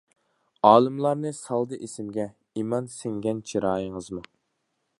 ئالىملارنى سالدى ئېسىمگە، ئىمان سىڭگەن چىرايىڭىزمۇ.